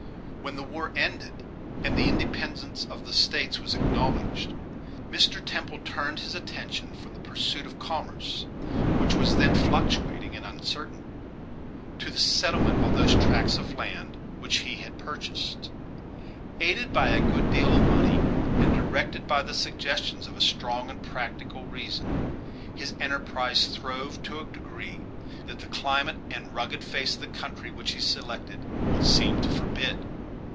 When the war ended, and the independence of the States was acknowledged, Mr. Temple turned his attention from the pursuit of commerce, which was then fluctuating and uncertain, to the settlement of those tracts of land which he had purchased. Aided by a good deal of money, and directed by the suggestions of a strong and practical reason, his enterprise throve to a degree that the climate and rugged face of the country which he selected would seem to forbid.